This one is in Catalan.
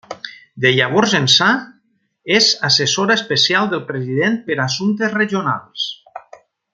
De llavors ençà, és assessora especial del president per a assumptes regionals.